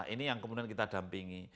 ini yang kemudian kita dampingi